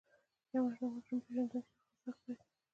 یوه مشهور مجرم پېژندونکي یوه خبره کړې ده